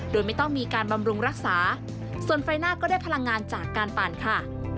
โดยไม่ต้องมีการบำรุงรักษาส่วนไฟหน้าก็ได้พลังงานจากการปั่นค่ะ